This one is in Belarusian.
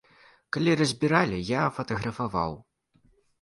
Калі разбіралі, я фатаграфаваў.